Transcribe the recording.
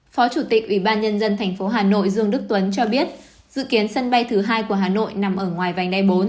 phó chủ tịch ủy ban nhân dân tp hà nội dương đức tuấn cho biết dự kiến sân bay thứ hai của hà nội nằm ở ngoài vành đai bốn